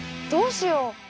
どうしよう？